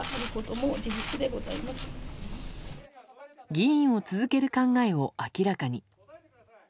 議員を続ける考えを明らかに。